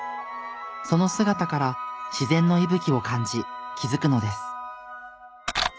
その姿から自然の息吹を感じ気づくのです。